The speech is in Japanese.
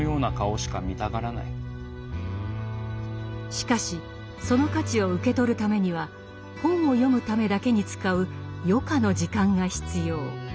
しかしその価値を受け取るためには本を読むためだけに使う「余暇」の時間が必要。